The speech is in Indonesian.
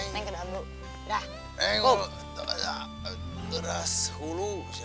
neng kedua bu